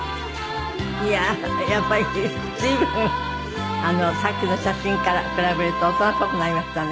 いややっぱり随分さっきの写真から比べると大人っぽくなりましたね。